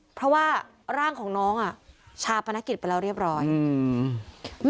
เพราะว่าร่างของน้องอ่ะชาปนกิจไปแล้วเรียบร้อยอืม